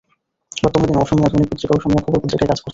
বর্তমানে তিনি অসমীয়া দৈনিক পত্রিকা অসমীয়া খবর পত্রিকায় কাজ করছেন।